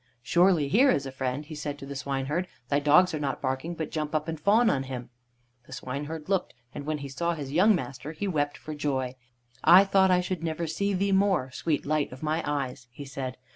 "Surely here is a friend," he said to the swineherd. "Thy dogs are not barking, but jump up and fawn on him." The swineherd looked, and when he saw his young master he wept for joy. "I thought I should never see thee more, sweet light of my eyes," he said.